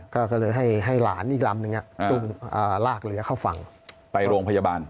ก็ก็เลยให้ให้หลานอีกลำหนึ่งอ่ะอ่าลากเหลือเข้าฝั่งไปโรงพยาบาล